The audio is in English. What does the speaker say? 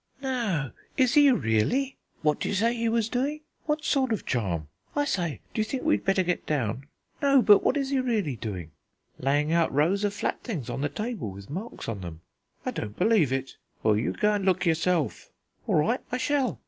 "No, is he really?" "What d'you say he was doing?" "What sort of charm?" "I say, d'you think we'd better get down?" "No, but what is he really doing?" "Laying out rows of flat things on the table, with marks on them." "I don't believe it." "Well, you go and look yourself." "All right, I shall."